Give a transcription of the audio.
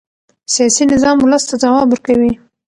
سیاسي نظام ولس ته ځواب ورکوي